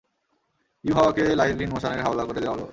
ইউহাওয়াকে লাঈছ বিন মোশানের হাওলা করে দেয়া হল।